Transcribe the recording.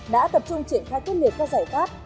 đã tập trung triển khai quyết liệt các giải pháp